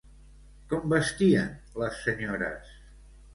Com vestien les senyores?